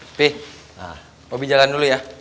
bopi bopi jalan dulu ya